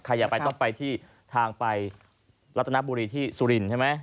อย่าไปต้องไปที่ทางไปรัตนบุรีที่สุรินทร์ใช่ไหม